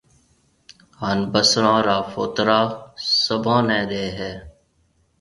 ھان بصرون را ڦوترا سڀون نيَ ڏَي ھيََََ